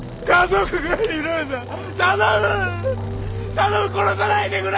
頼む殺さないでくれ！